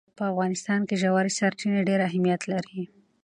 په افغانستان کې ژورې سرچینې ډېر اهمیت لري.